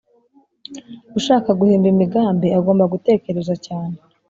ushaka guhimba imigani agomba gutekereza cyane